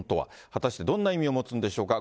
果たして、どんな意味を持つんでしょうか。